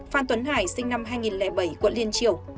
phan tuấn hải sinh năm hai nghìn bảy quận liên triều